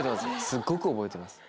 すっごく覚えてます。